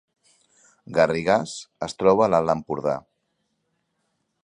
Garrigàs es troba a l’Alt Empordà